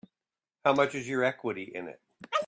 How much is your equity in it?